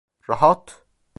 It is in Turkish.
Rahat!